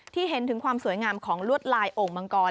เห็นถึงความสวยงามของลวดลายโอ่งมังกร